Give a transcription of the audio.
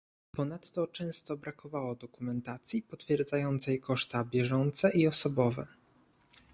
Ponadto często brakowało dokumentacji potwierdzającej koszta bieżące i osobowe